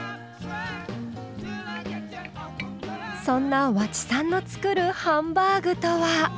そんな和知さんの作るハンバーグとは？